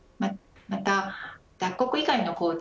また脱穀以外の工程